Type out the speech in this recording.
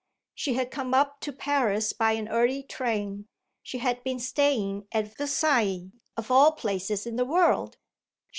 She had come up to Paris by an early train she had been staying at Versailles, of all places in the world.